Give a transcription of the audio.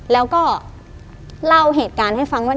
แล้วก็เล่าเหตุการณ์ให้ฟังว่า